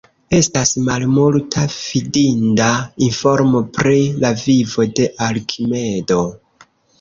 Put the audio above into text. Estas malmulta fidinda informo pri la vivo de Arkimedo.